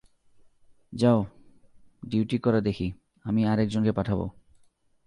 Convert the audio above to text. যাও, ডিউটি করা দেখি, আমি আরেক জনকে পাঠাব।